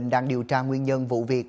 đang điều tra nguyên nhân vụ việc